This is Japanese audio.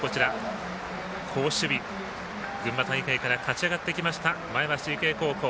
好守備、群馬大会から勝ち上がってきました前橋育英高校。